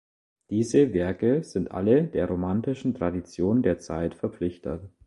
Diese Werke sind alle der romantischen Tradition der Zeit verpflichtet.